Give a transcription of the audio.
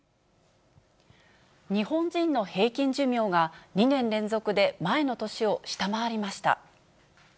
日本人の平均寿命が、２年連続で前の年を下回りました。